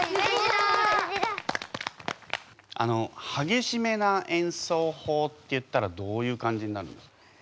あのはげしめな演奏法っていったらどういう感じになるんですかね？